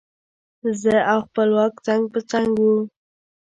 زه او خپلواک څنګ په څنګ وو.